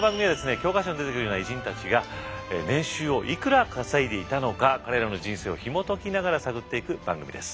教科書に出てくるような偉人たちが年収をいくら稼いでいたのか彼らの人生をひも解きながら探っていく番組です。